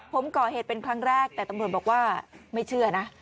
ผมก่อเหตุเป็นครั้งแรกแต่ตำรวจบอกว่าไม่เชื่อนะ